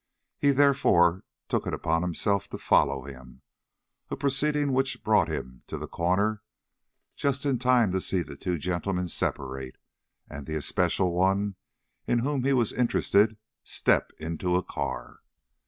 He, therefore, took it upon himself to follow him a proceeding which brought him to the corner just in time to see the two gentlemen separate, and the especial one in whom he was interested, step into a car.